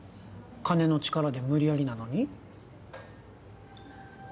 金の力で無理やりなのに？